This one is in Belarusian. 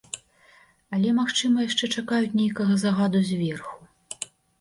Але, магчыма, яшчэ чакаюць нейкага загаду зверху.